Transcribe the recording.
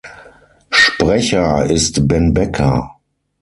Sprecher ist Ben Becker.